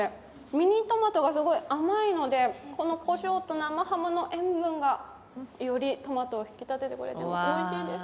ミニトマトがすごい甘いので、こしょうと生ハムの塩分がよりトマトを引き立ててくれておいしいです。